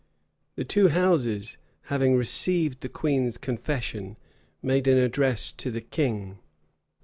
The two houses, having received the queen's confession, made an address to the king.